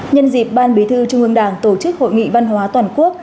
nhân dịp ban bí thư trung ương đảng tổ chức hội nghị văn hóa toàn quốc